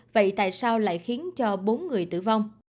vậy tại sao lại khiến cho bốn người tử vong